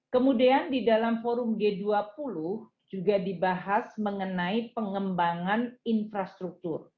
kemudian di dalam forum g dua puluh juga dibahas mengenai pengembangan infrastruktur